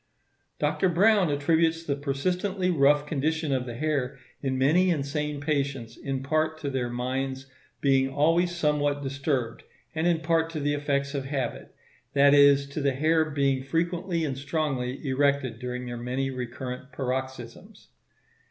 Dr. Browne attributes the persistently rough condition of the hair in many insane patients, in part to their minds being always somewhat disturbed, and in part to the effects of habit,—that is, to the hair being frequently and strongly erected during their many recurrent paroxysms.